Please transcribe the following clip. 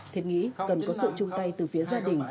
thiệt nghĩ cần có sự chung tay từ phía gia đình